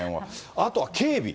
あとは警備。